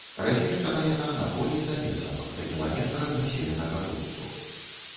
Размешчана яна на полі за лесам, за кіламетр ад населенага пункту.